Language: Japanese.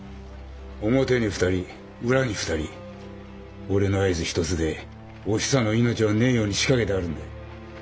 表に２人裏に２人俺の合図一つでおひさの命はねえように仕掛けてあるんだ。